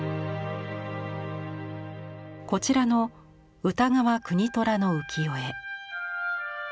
こちらの歌川国虎の浮世絵。